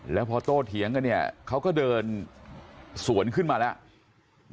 แล้วพอโตเถียงกันเนี่ยเขาก็เดินสวนขึ้นมาแล้ว